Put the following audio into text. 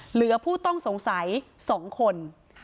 เหลือผู้ต้องสงสัย๒คน